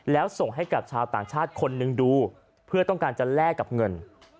แล้วส่งให้กับชาวต่างชาติคนหนึ่งดูเพื่อต้องการจะแลกกับเงิน